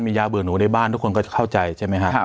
มียาเบื่อหนูในบ้านทุกคนก็จะเข้าใจใช่ไหมครับ